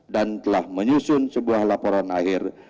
dan telah menyusun sebuah laporan akhir